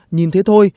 nhìn thế thôi